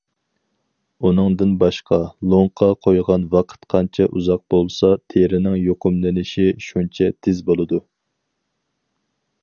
ئۇنىڭدىن باشقا، لوڭقا قويغان ۋاقىت قانچە ئۇزاق بولسا، تېرىنىڭ يۇقۇملىنىشى شۇنچە تېز بولىدۇ.